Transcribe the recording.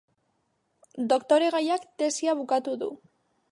Doktoregaiak tesia bukatu du.